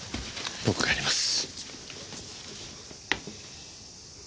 僕がやります。